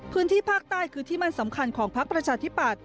พื้นที่ภาคใต้คือที่มั่นสำคัญของพักประชาธิปัตย